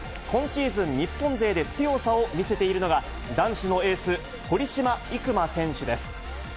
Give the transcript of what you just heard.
今シーズン日本勢で強さを見せているのが、男子のエース、堀島行真選手です。